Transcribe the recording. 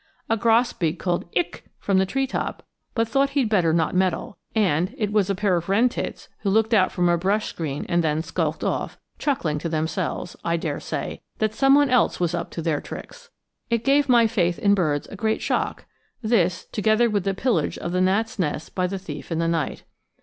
A grosbeak called ick' from the treetop, but thought he'd better not meddle; and it was a pair of wren tits who looked out from a brush screen and then skulked off, chuckling to themselves, I dare say, that some one else was up to their tricks. It gave my faith in birds a great shock, this, together with the pillage of the gnat's nest by the thief in the night.